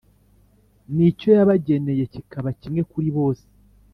n’icyo yabageneye kikaba kimwe kuri bose;